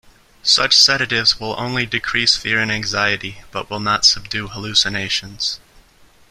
Such sedatives will only decrease fear and anxiety, but will not subdue hallucinations.